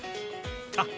あっ